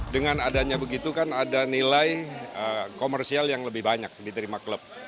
dengan adanya begitu kan ada nilai komersial yang lebih banyak diterima klub